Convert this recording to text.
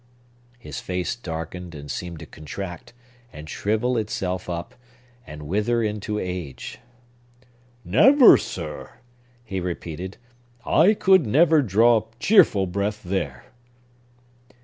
His face darkened, and seemed to contract, and shrivel itself up, and wither into age. "Never, sir!" he repeated. "I could never draw cheerful breath there!"